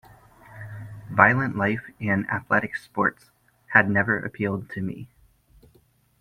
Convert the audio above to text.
Violent life and athletic sports had never appealed to me.